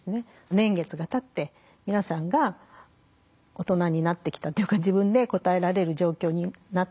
年月がたって皆さんが大人になってきたというか自分で答えられる状況になった。